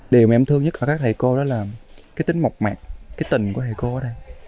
điều mà em thương nhất ở các thầy cô đó là cái tính mộc mạc cái tình của thầy cô ở đây